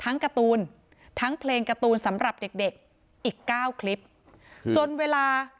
ทั้งการ์ตูนทั้งเพลงการ์ตูนสำหรับเด็กอีก๙คลิปจนเวลาค่ะคือตรงนี้แล้วจะเอาเด็ก๓ขวบพิมพ์ได้แล้วหรอ